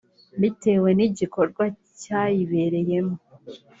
bitewe n’igikorwa cyayibereyemo